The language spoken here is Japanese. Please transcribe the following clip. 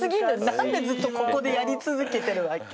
何でずっとここでやり続けてるわけ？